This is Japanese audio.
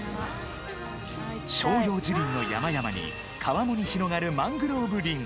照葉樹林の山々に川面に広がるマングローブ林。